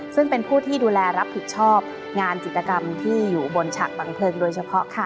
ซึ่งเป็นผู้ที่ดูแลรับผิดชอบงานจิตกรรมที่อยู่บนฉากบังเพลิงโดยเฉพาะค่ะ